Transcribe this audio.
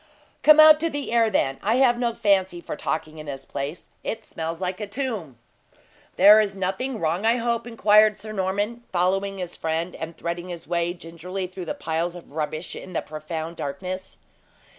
"Come out to the air, then. I have no fancy for talking in this place; it smells like a tomb." "There is nothing wrong, I hope?" inquired Sir Norman, following his friend, and threading his way gingerly through the piles of rubbish in the profound darkness.